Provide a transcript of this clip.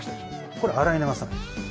これ洗い流さない。